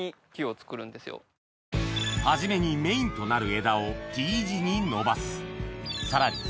初めにメインとなる枝をＴ字に伸ばすさらに